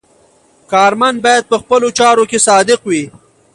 کارمند باید په خپلو چارو کې صادق وي.